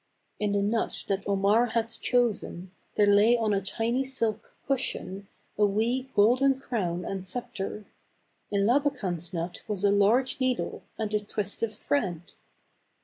In the nut that Omar had chosen, there lay on a tiny silk cushion, a wee golden crown and scepter ; m Labakan's nut was a large needle and a twist of thread.